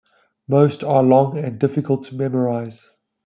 Most are long and difficult to memorise.